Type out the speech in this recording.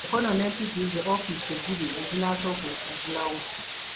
Mukono ne Mpigi ze ofiisi ebbiri ezinaasooka okuggulawo.